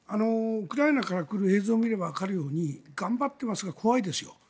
ウクライナから来る映像を見ればわかるように頑張っていますが怖いですよ。